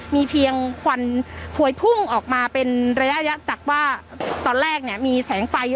มีเพียงควันพวยพุ่งออกมาเป็นระยะจากว่าตอนแรกเนี่ยมีแสงไฟ